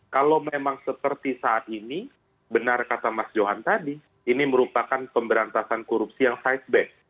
kalau memang seperti saat ini benar kata mas johan tadi ini merupakan pemberantasan korupsi yang side back